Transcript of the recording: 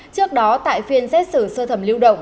trước đó tại phiên xét xử sơ thẩm lưu động